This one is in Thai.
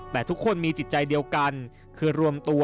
แต่ทุกคนมีจิตใจเดียวกันคือรวมตัว